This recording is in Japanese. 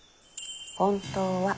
本当は？